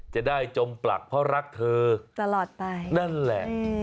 จมปลักเพราะรักเธอตลอดไปนั่นแหละ